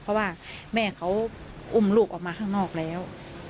เพราะว่าแม่เขาอุ้มลูกออกมาข้างนอกแล้ว